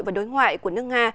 và đối ngoại của nước nga